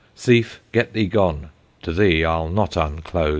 Thief, get thee gone! to thee I'll not unclose.